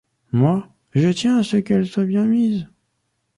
Moi, je tiens à ce qu’elle soit bien mise.